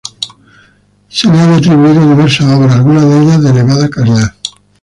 Se le han atribuido diversas obra, algunas de ellas de elevada calidad.